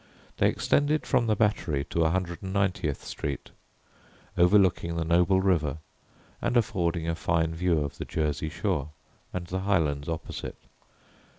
They extended from the battery to 190th Street, overlooking the noble river and affording a fine view of the Jersey shore and the Highlands opposite.